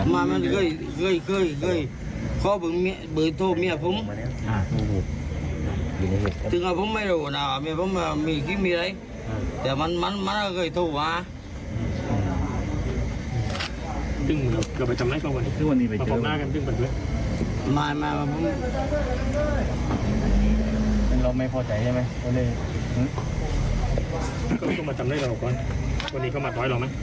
มันเกิดจากอะไรแต่มันก็เคยถูก